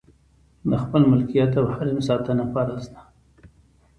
د خپل ملکیت او حریم ساتنه فرض ده.